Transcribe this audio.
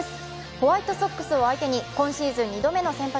ホワイトソックスを相手に、今シーズン２度目の先発。